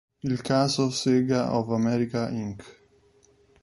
Il caso, "Sega of America, Inc.